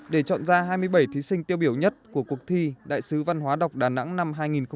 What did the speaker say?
để chọn ra hai mươi bảy thí sinh tiêu biểu nhất của cuộc thi đại sứ văn hóa đọc đà nẵng năm hai nghìn hai mươi